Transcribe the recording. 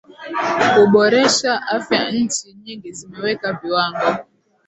kuboresha afyaNchi nyingi zimeweka viwango